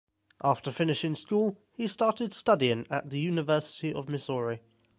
After finishing school, he started studying at the University of Missouri.